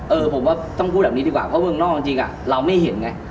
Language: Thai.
เออผมว่าต้องพูดแบบนี้ดีกว่าเพราะเมืองนอกจริงเราไม่เห็นไง